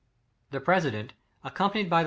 The president, accompanied by the r.